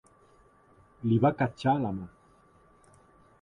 Li va catxar la mà.